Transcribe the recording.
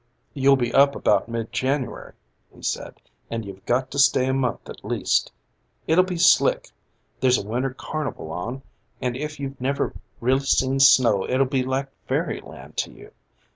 "You'll be up about mid January," he said, "and you've got to stay a month at least. It'll be slick. There's a winter carnival on, and if you've never really seen snow it'll be like fairy land to you.